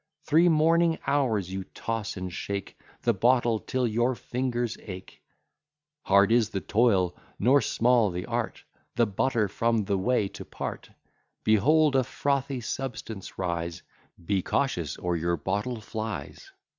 Three morning hours you toss and shake The bottle till your fingers ache; Hard is the toil, nor small the art, The butter from the whey to part: Behold a frothy substance rise; Be cautious or your bottle flies.